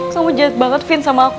kau jahat banget vin sama aku